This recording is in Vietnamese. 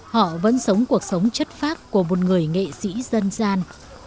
họ vẫn sống cuộc sống chất phác của một người nghệ sĩ dân gian